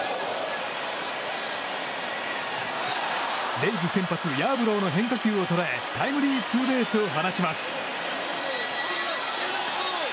レイズ先発ヤーブローの変化球を捉えタイムリーツーベースを放ちます。